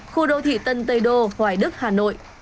khu đô thị tân tây đô hoài đức hà nội